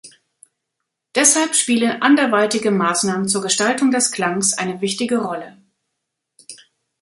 Deshalb spielen anderweitige Maßnahmen zur Gestaltung des Klangs eine wichtige Rolle.